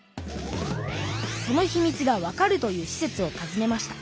そのひみつがわかるというしせつをたずねました。